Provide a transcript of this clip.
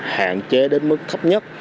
hạn chế đến mức thấp nhất